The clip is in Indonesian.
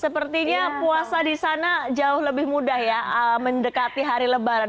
sepertinya puasa di sana jauh lebih mudah ya mendekati hari lebaran